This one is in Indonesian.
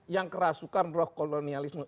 yang kerasukan roh kolonialisme